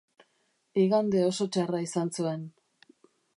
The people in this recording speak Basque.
Igande oso txarra izan zuen.